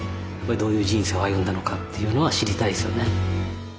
どういう人生を歩んだのかっていうのは知りたいですよね。